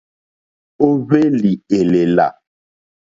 Ó hwélì èlèlà.